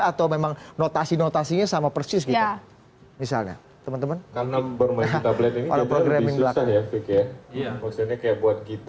atau memang notasi notasinya sama persis ya misalnya teman teman karena bermain tablet ini